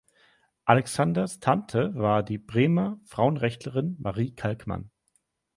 Alexanders Tante war die Bremer Frauenrechtlerin Marie Kalkmann.